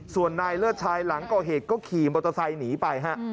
ส่วนนายเลิศชายหลังก่อเหตุก็ขี่มอเตอร์ไซค์หนีไปฮะ